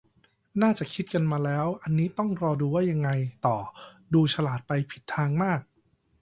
น่าจะคิดกันมาแล้ว อันนี้รอดูว่ายังไงต่อ ดูฉลาดไปผิดทางมาก